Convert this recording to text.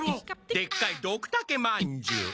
でっかいドクタケまんじゅう。